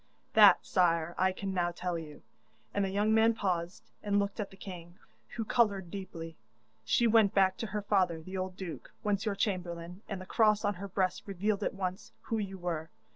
That, sire, I can now tell you,' and the young man paused and looked at the king, who coloured deeply. 'She went back to her father the old duke, once your chamberlain, and the cross on her breast revealed at once who you were.